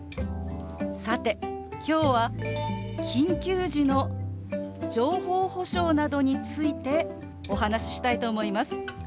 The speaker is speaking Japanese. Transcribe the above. さて今日は緊急時の情報保障などについてお話ししたいと思います。